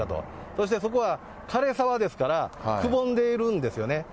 そしてそこはかれ沢ですから、くぼんでいるんですよね。